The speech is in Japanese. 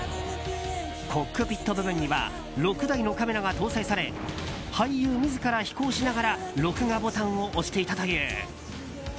コックピット部分には６台のカメラが搭載され俳優自ら飛行しながら録画ボタンを押していたという。